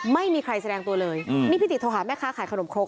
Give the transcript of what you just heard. ไม่มีใครแสดงตัวเลยนี่พี่ติโทรหาแม่ค้าขายขนมครก